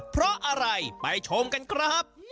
เพราะอะไรไปชมกันครับ